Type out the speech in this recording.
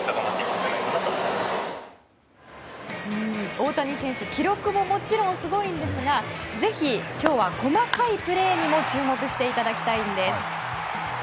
大谷選手記録ももちろんすごいんですがぜひ、今日は細かいプレーにも注目していただきたいんです。